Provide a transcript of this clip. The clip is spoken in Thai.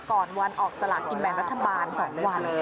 ก่อนวันออกสลากกินแบ่งรัฐบาล๒วัน